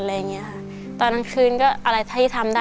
และเสพียนหมด